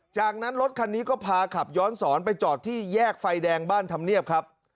จากนั้นรถคันนี้ก็พาขับย้อนสอนไปจอดที่แยกไฟแดงบ้านธรรมเนียบครับ